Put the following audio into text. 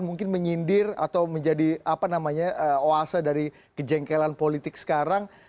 mungkin menyindir atau menjadi oase dari kejengkelan politik sekarang